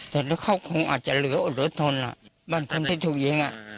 แต่เขาคงอาจจะเหลืออดเหลือทนบ้านคนที่ถูกยิง